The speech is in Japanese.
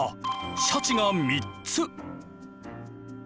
シャチが３つ。